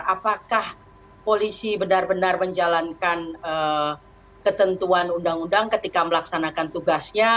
apakah polisi benar benar menjalankan ketentuan undang undang ketika melaksanakan tugasnya